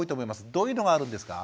どういうのがあるんですか？